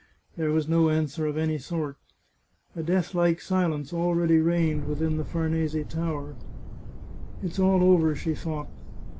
There was no answer of any sort. A deathlike silence already reigned within the Farnese Tower. " It's all over," she thought.